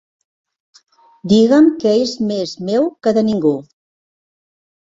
Diguem que és més meu que de ningú.